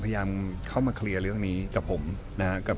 พยายามเข้ามาเคลียร์เรื่องนี้กับผมนะครับ